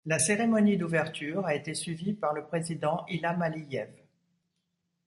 La cérémonie d'ouverture a été suivie par le Président Ilham Aliyev.